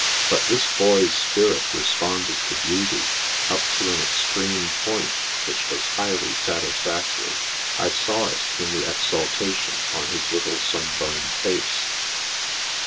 But this boy's spirit responded to beauty, up to an extreme point which was highly satisfactory. I saw it in the exaltation on his little sunburned face.